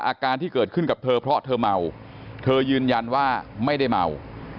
อาการที่เกิดขึ้นกับเธอเพราะเธอเมาเธอยืนยันว่าไม่ได้เมา